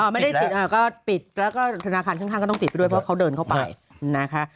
ไม่ได้ติดก็ปิดแล้วก็ธนาคารข้างก็ต้องติดไปด้วยเพราะเขาเดินเข้าไปนะคะ